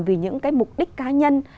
vì những cái mục đích cá nhân